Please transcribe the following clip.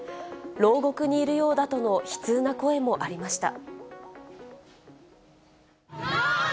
ろう獄にいるようだとの悲痛な声もありました。